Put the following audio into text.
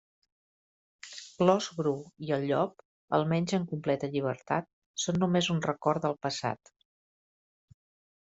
L'ós bru i el llop, almenys en completa llibertat, són només un record del passat.